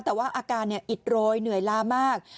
แต่ว่าอาการเนี่ยอิดล้วยเหนื่อยลามาก